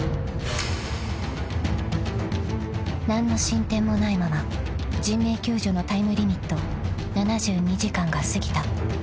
［何の進展もないまま人命救助のタイムリミット７２時間が過ぎた］